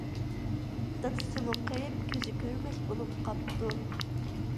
دادىسىمۇ قېرىپ كۆزى كۆرمەس بولۇپ قاپتۇ.